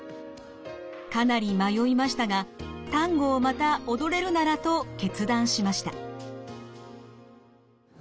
かなり迷いましたがタンゴをまた踊れるならと決断しました。